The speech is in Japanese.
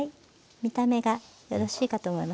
見た目がよろしいかと思います。